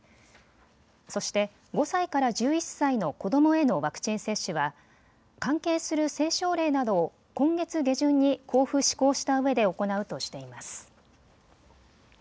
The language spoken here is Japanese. そして、５歳から１１歳の子どもへのワクチン接種は関係する政省令などを今月下旬に公布・施行したうえで行うとしています。